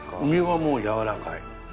身はもうやわらかい。